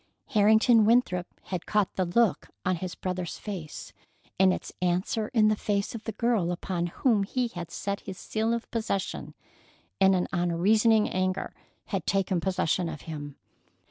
Harrington Winthrop had caught the look on his brother's face, and its answer in the face of the girl upon whom he had set his seal of possession, and an unreasoning anger had taken possession of him.